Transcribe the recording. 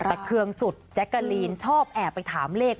แต่เครื่องสุดแจ๊กกะลีนชอบแอบไปถามเลข